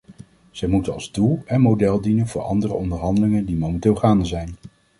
Zij moet als doel en model dienen voor andere onderhandelingen die momenteel gaande zijn.